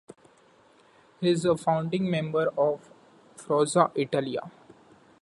He is a founding member of Forza Italia.